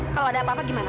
kalau ada apa apa gimana